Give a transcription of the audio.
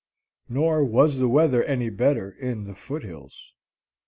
Nor was the weather any better in the foothills.